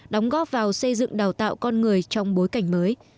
đóng góp vào xây dựng đào tạo con người trong bối cảnh mới